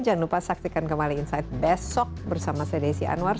jangan lupa saksikan kembali insight besok bersama saya desi anwar